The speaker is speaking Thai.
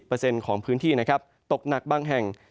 ร้อยละ๗๐ของพื้นที่ตกหนักบ้างแห่ง